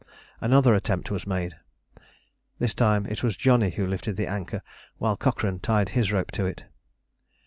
Another attempt was made. This time it was Johnny who lifted the anchor, while Cochrane tied his rope to it.